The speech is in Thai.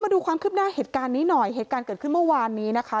ดูความคืบหน้าเหตุการณ์นี้หน่อยเหตุการณ์เกิดขึ้นเมื่อวานนี้นะคะ